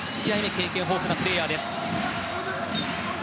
経験豊富なプレーヤーです。